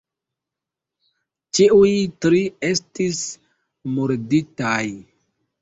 Ĉiuj tri estis murditaj.